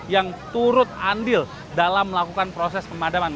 yang turut andil dalam melakukan proses pemadam kebakaran